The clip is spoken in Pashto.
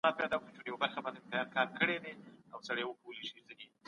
یا مي مړ له د